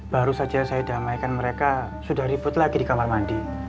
baru saja saya damaikan mereka sudah ribut lagi di kamar mandi